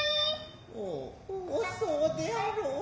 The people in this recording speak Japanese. おうそうであろう。